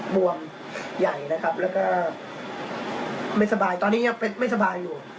บวมใหญ่นะครับแล้วก็ไม่สบายตอนนี้ยังไม่สบายอยู่